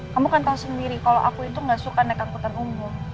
kamu kan tahu sendiri kalau aku itu gak suka naik angkutan umum